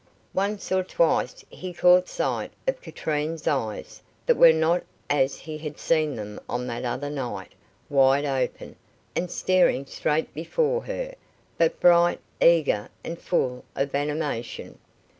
Once or twice he caught sight of Katrine's eyes, that were not as he had seen them on that other night, wide open, and staring straight before her, but bright, eager, and full of animation.